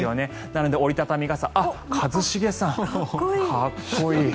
なので、折り畳み傘一茂さん、かっこいい。